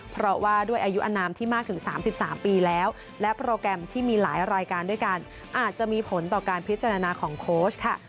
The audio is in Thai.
เพราะว่าด้วยอายุอนามที่มากถึง๓๓ปีแล้วและโปรแกรมที่มีหลายรายการด้วยกันอาจจะมีผลต่อการพิจารณาของโค้ชค่ะ